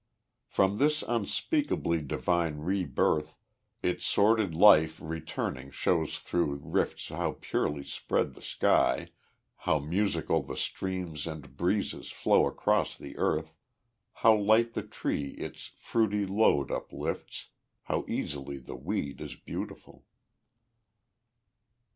From this unspeakably divine rebirth, Its sordid life returning shows through rifts How purely spreads the sky, how musical The streams and breezes flow across the earth, How light the tree its fruity load uplifts, How easily the weed is beautiful.